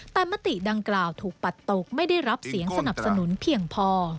แต่มติดังกล่าวถูกปัดตกไม่ได้รับเสียงสนับสนุนเพียงพอ